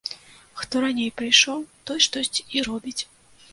Хто раней прыйшоў, той штосьці і робіць.